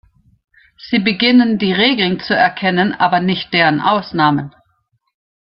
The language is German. Sie beginnen, die Regeln zu erkennen, aber nicht deren Ausnahmen.